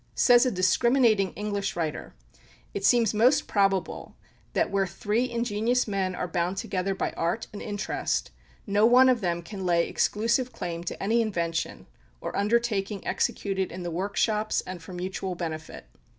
Says a discriminating English writer, "It seems most probable that where three ingenious men are bound together by art and interest, no one of them can lay exclusive claim to any invention or undertaking executed in the work shops and for mutual benefit.